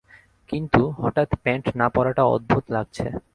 কিন্তু, হঠাৎ প্যান্ট না পরাটা অদ্ভুত লাগছে।